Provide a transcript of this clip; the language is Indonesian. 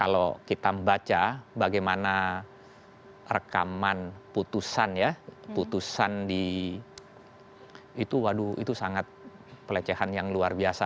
kalau kita membaca bagaimana rekaman putusan ya putusan di itu waduh itu sangat pelecehan yang luar biasa